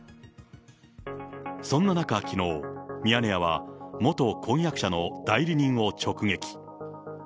そんな中きのう、ミヤネ屋は元婚約者の代理人を直撃。